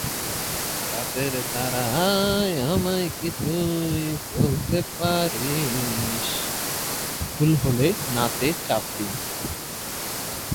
বিহারে আফগান বিদ্রোহ দমনের পর নবাব রাজধানীতে ফিরে যান এবং পুরো বর্ষাকাল সেখানে অবস্থান করেন।